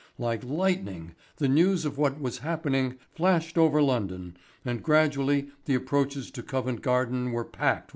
Like lightning the news of what was happening flashed over London, and gradually the approaches to Covent Garden were packed with people.